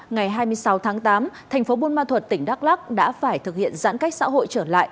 ngày hai mươi sáu tháng tám thành phố buôn ma thuật tỉnh đắk lắc đã phải thực hiện giãn cách xã hội trở lại